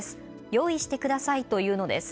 用意してくださいと言うのです。